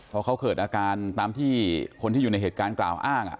เพราะเขาเกิดอาการตามที่คนที่อยู่ในเหตุการณ์กล่าวอ้าง